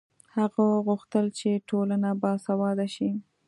هغه غوښتل چې ټولنه باسواده شي.